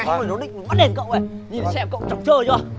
xong rồi nó định mất đèn cậu này nhìn thấy xe của cậu chóng chơi chưa